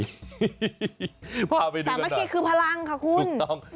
สามะขี่คือพลังค่ะคุณ